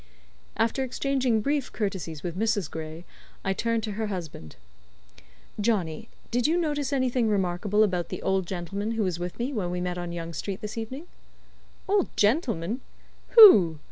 After exchanging brief courtesies with Mrs. Gray, I turned to her husband. "Johnny, did you notice anything remarkable about the old gentleman who was with me when we met on Young Street this evening?" "Old gentleman! who?